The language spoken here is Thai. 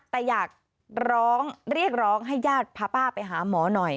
แต่อยากร้องเรียกร้องให้ญาติพาป้าไปหาหมอหน่อย